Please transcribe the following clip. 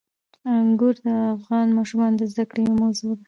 انګور د افغان ماشومانو د زده کړې یوه موضوع ده.